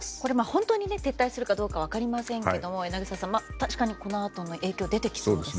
本当に撤退するか分かりませんけども柳澤さん、確かにこのあとも影響が出てきそうですね。